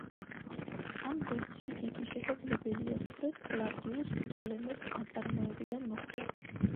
ამ ძეგლში იგი, შესაძლებელია, სწორედ კლავდიუს პტოლემეს ნაწარმოებიდან მოხვდა.